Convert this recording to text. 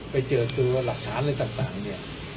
ไปเจอตัวหลักฐานอะไรต่างเนี่ย